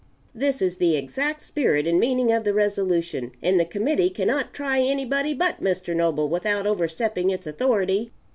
This is the exact spirit and meaning of the resolution, and the committee cannot try anybody but Mr. Noble without overstepping its authority.